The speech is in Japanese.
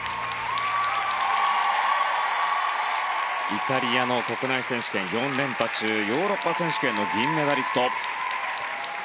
イタリアの国内選手権４連覇中ヨーロッパ選手権の銀メダリスト。